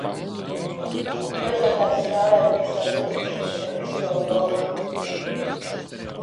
Lidotājs stāvēja pie savas lidmašīnas ar pistoli rokā.